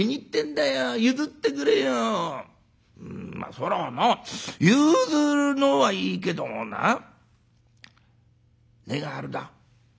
そりゃあな譲るのはいいけどもな値が張るだ」。